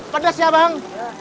pedas ya bang